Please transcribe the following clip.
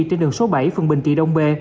trên đường số bảy phần bình trị đông bê